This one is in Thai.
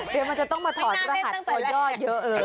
เดี๋ยวมันจะต้องมาถอนรหัสตัวย่อเยอะเลย